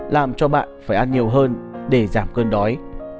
làm cho bạn phải ăn nhiều hơn để giảm cơn đói